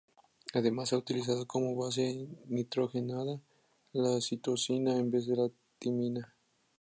Además se ha utilizado como base nitrogenada la citosina en vez de la timina.